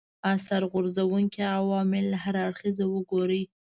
اثر غورځونکي عوامل هر اړخیزه وګوري